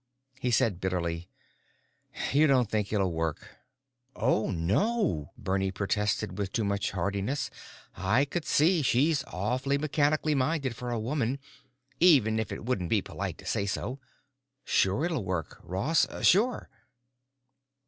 He said bitterly, "You don't think it'll work." "Oh, no!" Bernie protested with too much heartiness. "I could see she's awfully mechanically minded for a woman, even if it wouldn't be polite to say so. Sure it'll work, Ross. Sure!"